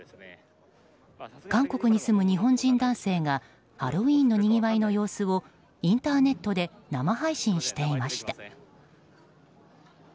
韓国に住む日本人男性がハロウィーンのにぎわいの様子をインターネットで生配信していました。